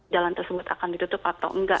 jalan tersebut akan ditutup atau enggak